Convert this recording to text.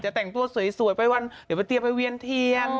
แต่งตัวสวยไปวันเดี๋ยวไปเตรียมไปเวียนเทียน